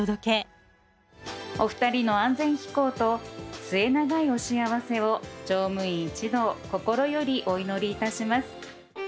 お二人の安全飛行と末永いお幸せを乗務員一同心よりお祈りいたします。